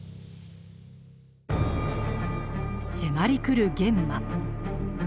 迫り来る幻魔。